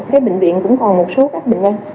cái bệnh viện cũng còn một số các bệnh nhân